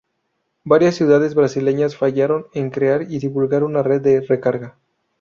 Varias ciudades brasileñas fallaron en crear y divulgar una red de recarga.